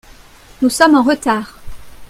Nous sommes en retard.